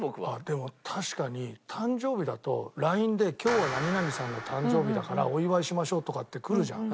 でも確かに誕生日だとＬＩＮＥで「今日は何々さんの誕生日だからお祝いしましょう」とかってくるじゃん。